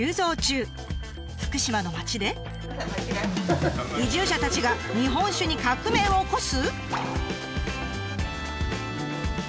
福島の町で移住者たちが日本酒に革命を起こす！？